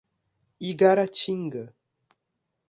Igaratinga